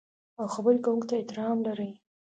او خبرې کوونکي ته احترام لرئ.